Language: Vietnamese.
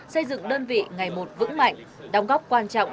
xây dựng đơn vị ngày một vững mạnh đóng góp quan trọng